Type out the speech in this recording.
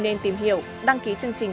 nên tìm hiểu đăng ký chương trình